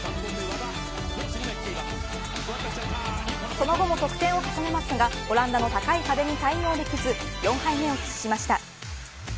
その後も得点を重ねますがオランダの高い壁に対応できず４敗目を喫しました。